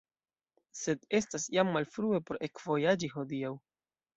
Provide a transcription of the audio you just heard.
Sed estas jam malfrue por ekvojaĝi hodiaŭ.